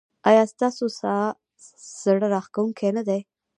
ایا ستاسو ساز زړه راښکونکی نه دی؟